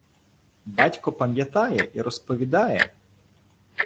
Батько пам’ятає і розповідає.